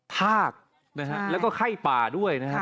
ฆ่าคและไข้ปลาด้วยนะครับ